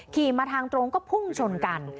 ขี่มาทางตรงก็พุ่งชนกัน